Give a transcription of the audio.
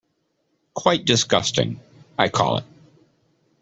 Quite disgusting, I call it.